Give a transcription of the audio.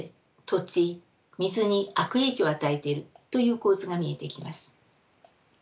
土地水に悪影響を与えているという構図が見えてきます。